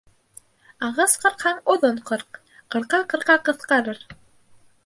Ағас ҡырҡһаң оҙон ҡырҡ: ҡырҡа-ҡырҡа ҡыҫҡарыр